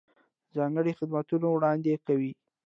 دا ځانګړي خدمتونه وړاندې کوي.